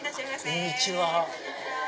こんにちは。